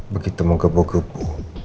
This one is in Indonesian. begitu mau gebu gebu